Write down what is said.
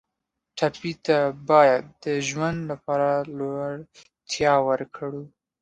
ټپي ته باید د ژوند لپاره زړورتیا ورکړو.